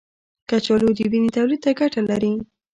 کچالو د وینې تولید ته ګټه لري.